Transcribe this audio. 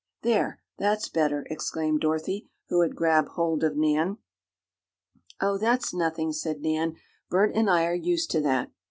"There! That's better!" exclaimed Dorothy, who had grabbed hold of Nan. "Oh, that's nothing," said Nan. "Bert and I are used to that."